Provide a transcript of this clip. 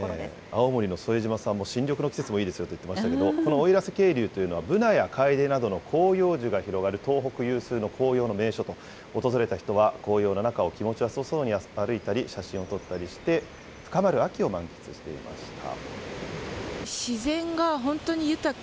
青森の副島さんも、新緑の季節もいいですよと言っていましたけれども、この奥入瀬渓流というのは、ブナやカエデという広葉樹が広がる東北有数の紅葉の名所と、訪れた人は紅葉の中を気持ちよさそうに歩いたり、写真を撮ったりして、深まる秋を満喫していました。